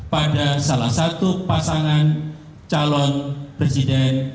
pada salah satu pasangan calon presiden